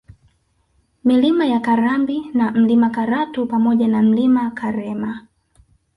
Milima ya Karambi na Mlima Karatu pamoja na Mlima Karema